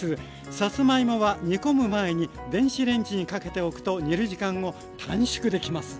さつまいもは煮込む前に電子レンジにかけておくと煮る時間を短縮できます。